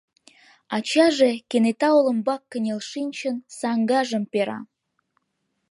Ачаже, кенета олымбак кынел шинчын, саҥгажым пера.